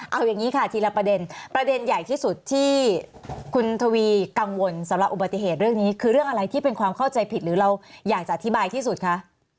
เอาอย่างนี้ค่ะทีละประเด็นประเด็นใหญ่ที่สุดที่คุณทวีกังวลสำหรับอุบัติเหตุเรื่องนี้คือเรื่องอะไรที่เป็นความเข้าใจผิดหรือเราอยากจะอธิบายที่สุดคะ